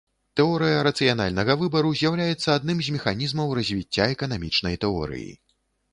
Тэорыя рацыянальнага выбару з'яўляецца адным з механізмаў развіцця эканамічнай тэорыі.